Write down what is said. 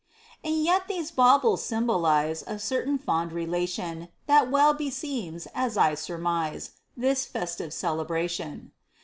And yet these baubles symbolize A certain fond relation That well beseems, as I surmise, This festive celebration.